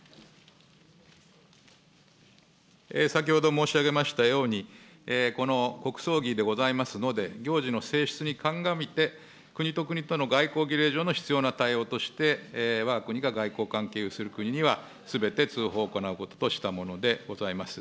先ほど申し上げましたように、この国葬儀でございますので、行事の性質に鑑みて、国と国との外交儀礼上の必要な対応として、わが国が外交関係をする国には、すべて通報を行うものとしたことでございます。